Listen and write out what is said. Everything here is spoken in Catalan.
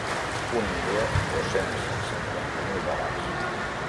Un milió dos-cents cinquanta mil dòlars.